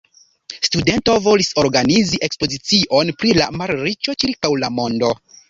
Studento volis organizi ekspozicion pri la malriĉo ĉirkaŭ la mondo.